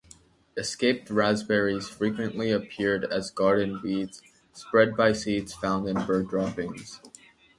Escaped raspberries frequently appear as garden weeds, spread by seeds found in bird droppings.